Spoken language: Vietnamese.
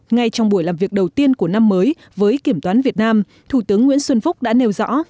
ngay trong buổi làm việc đầu tiên của năm mới với kiểm toán việt nam thủ tướng nguyễn xuân phúc đã nêu rõ